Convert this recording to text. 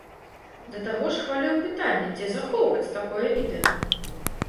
Да таго ж, хвалюе пытанне, дзе захоўваць такое відэа!